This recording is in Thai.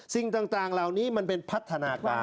สิ่งต่างเหล่านี้มันเป็นพัฒนาการ